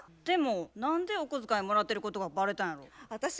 でも何でお小遣いもらってることがバレたんやろ？